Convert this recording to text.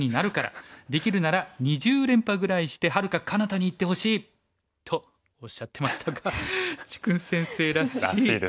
できるなら２０連覇ぐらいしてはるかかなたに行ってほしい」とおっしゃってましたが治勲先生らしい。